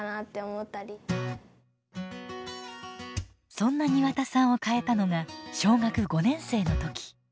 そんな庭田さんを変えたのが小学５年生の時。